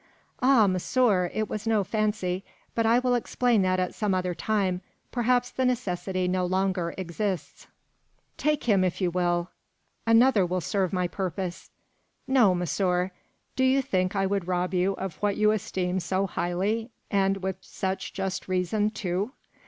"Ah! monsieur, it was no fancy; but I will explain that at some other time. Perhaps the necessity no longer exists." "Take him, if you will. Another will serve my purpose." "No, monsieur. Do you think I could rob you of what you esteem so highly, and with such just reason, too?